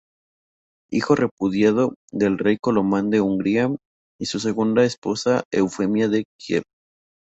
Hijo repudiado del rey Colomán de Hungría y su segunda esposa Eufemia de Kiev.